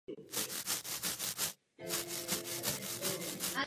Projevují se zde i vlivy počasí.